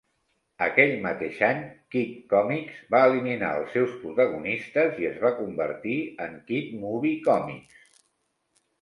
Aquell mateix any, "Kid Komics" va eliminar els seus protagonistes i es va convertir en "Kid Movie Comics".